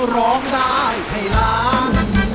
ร้องได้ให้ล้าน